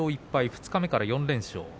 二日目から４連勝。